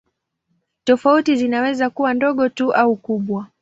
Tofauti zinaweza kuwa ndogo tu au kubwa.